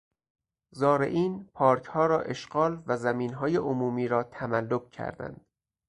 زارعین پارکها را اشغال و زمینهای عمومی را تملک کردند.